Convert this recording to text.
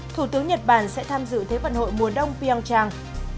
thủ tướng nhật bản sẽ tham dự thế vận hội mùa đông pionchang